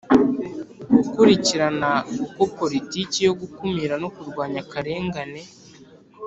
gukurikirana uko politiki yo gukumira no kurwanya akarengane,